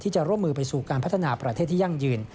จะร่วมมือไปสู่การพัฒนาประเทศที่ยั่งยืน